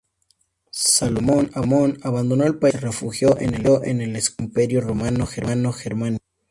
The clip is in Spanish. Salomón abandonó el país y se refugió en el Sacro Imperio Romano Germánico.